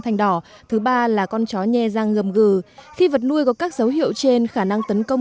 thành đỏ thứ ba là con chó nhe giang gầm gừ khi vật nuôi có các dấu hiệu trên khả năng tấn công